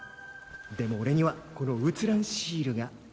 でもおれにはこの写らんシールが。